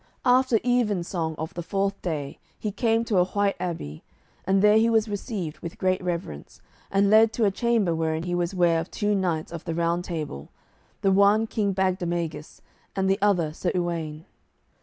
After even song of the fourth day he came to a white abbey, and there he was received with great reverence, and led to a chamber wherein he was ware of two knights of the Round Table, the one King Bagdemagus and the other Sir Uwaine.